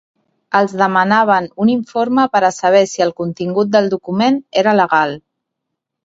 Els demanaven un informe per a saber si el contingut del document era legal.